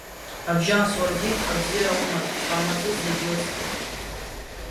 Абжьас уаргьы абзиара умаз, Сҟармаҵыс, зегь рыцкы.